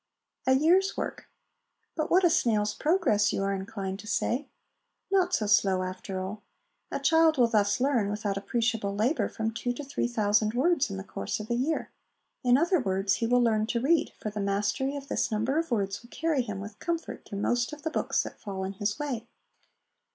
A Year's Work. ' But what a snail's progress !' you are inclined to say. Not so slow, after all : a child will thus learn, without appreciable labour, from two to three thousand words in the course of a year ; in other words, he will learn to read, for the mastery of this number of words will carry him with comfort through most of the books that fall in his way.